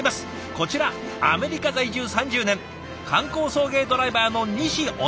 こちらアメリカ在住３０年観光送迎ドライバーの西修美さん。